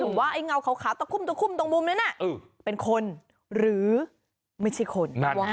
พุ่มตรงคุมตรงบุมนั้นน่ะเป็นคนหรือไม่ใช่คน